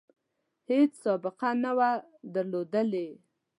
هیڅ سابقه نه وه درلودلې.